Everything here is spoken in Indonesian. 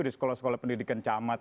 di sekolah sekolah pendidikan camat